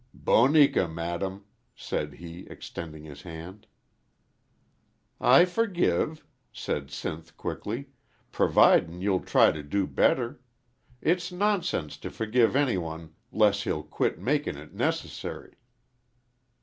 "Boneka, madam," said he, extending his hand. "I forgive," said Sinth, quickly, "providin' you'll try to do better. It's nonsense to forgive any one 'less he'll quit makin' it nec'sary."